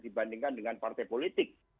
dibandingkan dengan partai politik